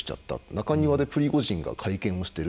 中庭でプリゴジンが会見をしている。